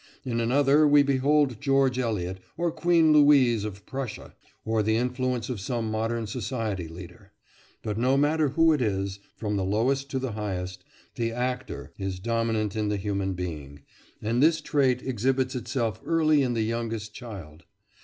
In another we behold George Eliot, or Queen Louise of Prussia, or the influence of some modern society leader. But no matter who it is, from the lowest to the highest, the actor is dominant in the human being, and this trait exhibits itself early in the youngest child.